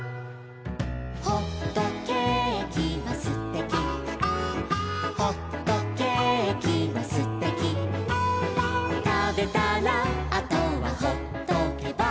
「ほっとけーきはすてき」「ほっとけーきはすてき」「たべたらあとはほっとけば」